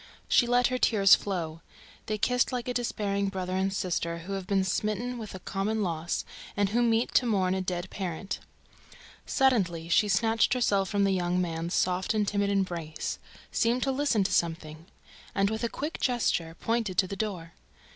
She let her tears flow. They kissed like a despairing brother and sister who have been smitten with a common loss and who meet to mourn a dead parent. Suddenly, she snatched herself from the young man's soft and timid embrace, seemed to listen to something, and, with a quick gesture, pointed to the door.